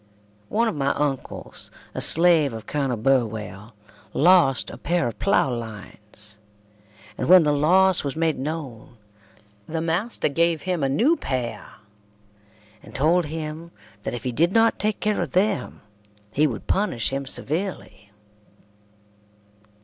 One of my uncles, a slave of Colonel Burwell, lost a pair of ploughlines, and when the loss was made known the master gave him a new pair, and told him that if he did not take care of them he would punish him severely.